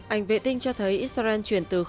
ảnh vệ tinh cho thấy israel chuyển từ năm km